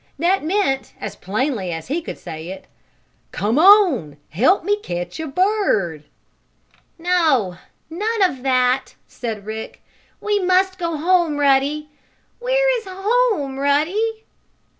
That meant, as plainly as he could say it: "Come on! Help me catch a bird!" "No! None of that," said Rick. "We must go home, Ruddy. Where is home, Ruddy?"